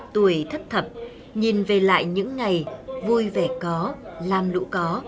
tuổi thất thập nhìn về lại những ngày vui vẻ có làm lũ có